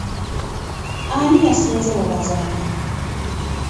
Ani yasinze mu bazanyi?